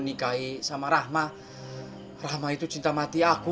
nikahi sama rahma itu cinta mati aku